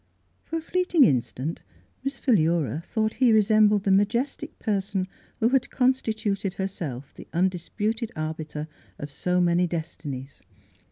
For a fleeting instant Miss Philura thought he resembled the majestic person who had constituted herself the undisputed arbiter of so many destinies.